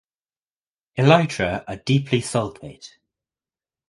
Elytra are deeply sulcate.